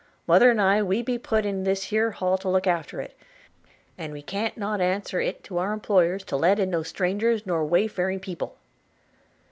mother and I we be put in this here Hall to look after it, and we can't not answer it to our employers to let in no strangers nor wayfaring people.'